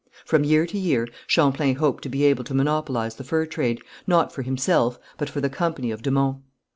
From year to year Champlain hoped to be able to monopolize the fur trade, not for himself, but for the company of de Monts.